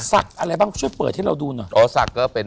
ศักดีอะไรบ้างช่วยเปิดที่เราดูหนอะ